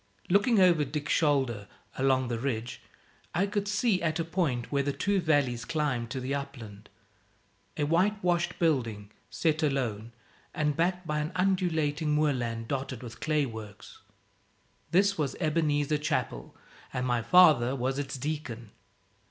Looking over Dick's shoulder along the ridge I could see, at a point where the two valleys climbed to the upland, a white washed building, set alone, and backed by an undulating moorland dotted with clay works. This was Ebenezer Chapel; and my father was its deacon.